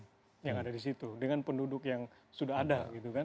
sumber daya alam yang ada di situ dengan penduduk yang sudah ada